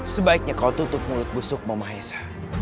sebaiknya kau tutup mulut busukmu mahesa